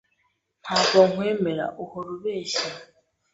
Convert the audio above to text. Ntabwo nkwemera. Uhora ubeshya.